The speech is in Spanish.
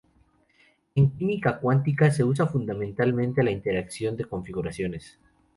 En química cuántica se usa fundamentalmente la interacción de configuraciones.